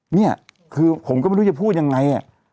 นี่คือผมก็ไม่รู้จะพูดยังไง